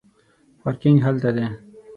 پارکینګ هلته دی